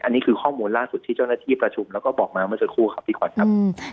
อันนี้คือข้อมูลล่าสุดที่เจ้าหน้าที่ประชุมแล้วก็บอกมาเมื่อสักครู่ครับพี่ขวัญครับ